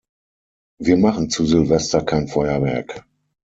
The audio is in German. Wir machen zu Silvester kein Feuerwerk.